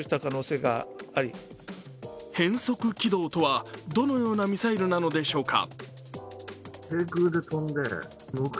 変則軌道とは、どのようなミサイルなのでしょうか。